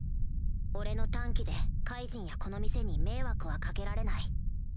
俺の短気でカイジンやこの店に迷惑は掛けられない